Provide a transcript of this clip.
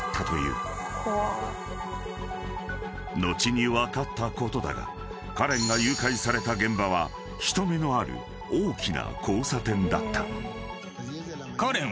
［後に分かったことだがカレンが誘拐された現場は人目のある大きな交差点だった］